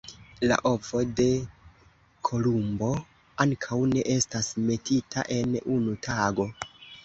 La ovo de Kolumbo ankaŭ ne estas metita en unu tago!